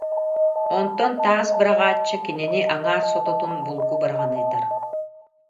Онтон таас быраҕааччы кинини аҥаар сототун булгу быраҕан ыытар